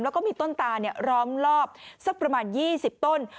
แล้วก็มีต้นตาล้อมรอบสักประมาณ๒๐ต้น